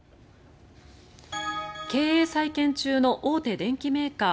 経営再建中の大手電機メーカー